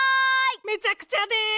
めちゃくちゃです！